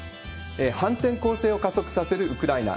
反転攻勢を加速させるウクライナ。